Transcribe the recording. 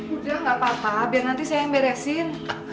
udah gak papa biar nanti saya yang beresin